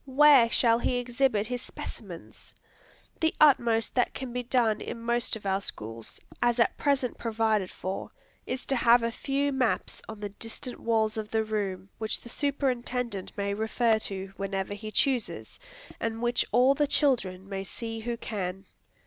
where shall he exhibit his specimens? The utmost that can be done in most of our schools, as at present provided for, is to have a few maps on the distant walls of the room which the superintendent may refer to, whenever he chooses, and which all the children may see who can!